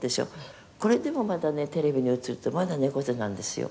「これでもまだねテレビに映るとまだ猫背なんですよ」